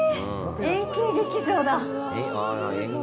円形劇場だ！